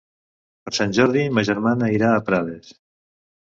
Per Sant Jordi ma germana irà a Prades.